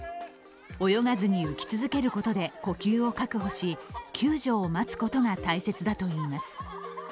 泳がずに浮き続けることで呼吸を確保し救助を待つことが大切だといいます。